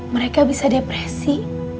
mereka bisa depresi